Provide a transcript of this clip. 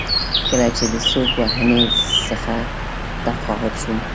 کله چې د سوک وهنې څخه تقاعد شوم.